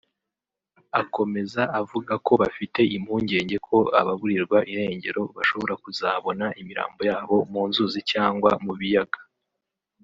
Akomeza avuga ko bafite impungenge ko ababurirwa irengero bashobora kuzabona imirambo yabo mu nzuzi cyangwa mu biyaga